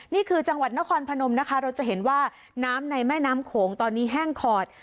นี่คือจังหวัดนครพนมนะคะเราจะเห็นว่าน้ำในแม่น้ำโขงตอนนี้แห้งขอด